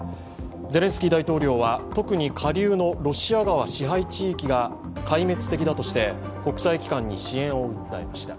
ゼレンスキー大統領は特に下流のロシア側支配地域が壊滅的だとして国際機関に支援を訴えました。